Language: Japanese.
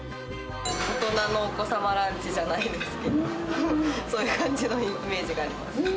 大人のお子様ランチじゃないですけど、そういう感じのイメージがあります。